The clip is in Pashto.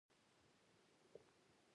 د حاصلاتو مارکېټ ته رسونه باید ساده شي.